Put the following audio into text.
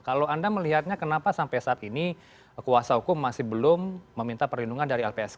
kalau anda melihatnya kenapa sampai saat ini kuasa hukum masih belum meminta perlindungan dari lpsk